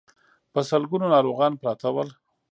په سلګونو ناروغان پراته ول.